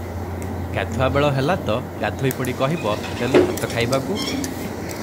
ଗାଧୁଆବେଳ ହେଲା ତ ଗାଧୋଇ ପଡ଼ି କହିବ, ଦେଲୁ ଭାତ ଖାଇବାକୁ ।